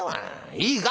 いいか？